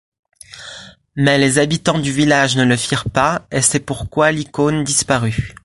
Mais les habitants du village ne le firent pas et c'est pourquoi l'icône disparut.